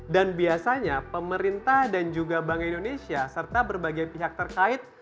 dan biasanya pemerintah dan juga bank indonesia serta berbagai pihak terkait